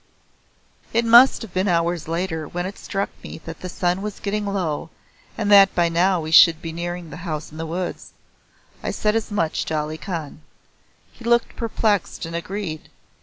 It must have been hours later when it struck me that the sun was getting low and that by now we should be nearing The House in the Woods. I said as much to Ali Khan. He looked perplexed and agreed.